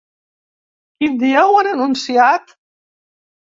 Quin dia ho han anunciat?